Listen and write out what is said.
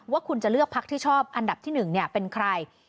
ว่าคุณจะเลือกพักที่ชอบอันดับที่๑เป็นใคร